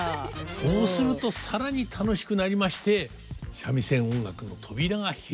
そうすると更に楽しくなりまして三味線音楽の扉が開くとこう思います。